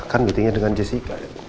kan meetingnya dengan jessica